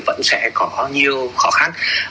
vẫn sẽ có nhiều khó khăn